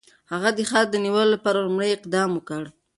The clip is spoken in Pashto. هغه د ښار د نیولو لپاره لومړی اقدام وکړ.